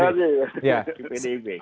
terima kasih ya